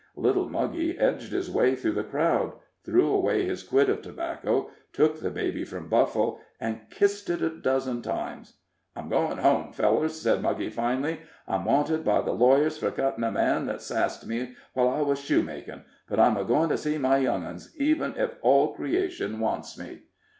Little Muggy edged his way through the crowd, threw away his quid of tobacco, took the baby from Buffle, and kissed it a dozen times. "I'm goin' home, fellers," said Muggy, finally. "I'm wanted by the lawyers for cuttin' a man that sassed me while I was shoe makin'. But I'm a goin' to see my young uns, even if all creation wants me."